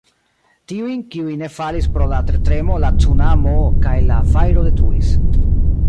Tiujn, kiuj ne falis pro la tertremo, la cunamo kaj la fajro detruis.